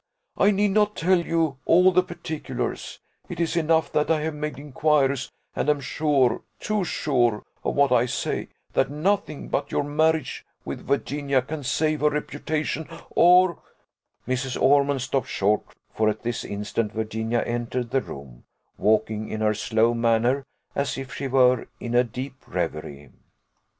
I need not tell you all the particulars; it is enough that I have made inquiries, and am sure, too sure, of what I say, that nothing but your marriage with Virginia can save her reputation; or " Mrs. Ormond stopped short, for at this instant Virginia entered the room, walking in her slow manner, as if she were in a deep reverie.